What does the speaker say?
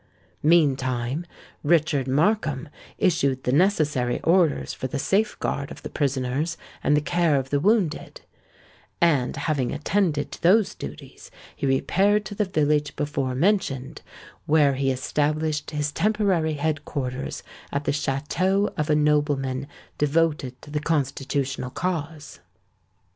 Meantime, Richard Markham issued the necessary orders for the safeguard of the prisoners and the care of the wounded; and, having attended to those duties, he repaired to the village before mentioned, where he established his temporary head quarters at the château of a nobleman devoted to the Constitutional cause.